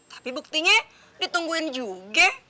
tapi buktinya ditungguin juga